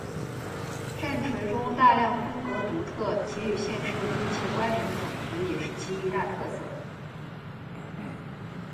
战锤中大量风格独特且与现实有密切关联的种族也是其一大特色。